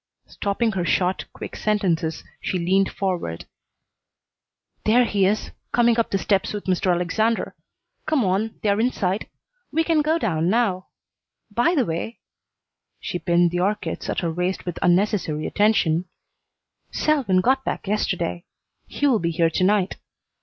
Stopping her short, quick sentences, she leaned forward. "There he is, coming up the steps with Mr. Alexander. Come on; they're inside. We can go down now. By the way" she pinned the orchids at her waist with unnecessary attention "Selwyn got back yesterday. He will be here to night.